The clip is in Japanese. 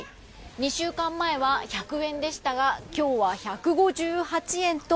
２週間前は１００円でしたが今日は１５８円と。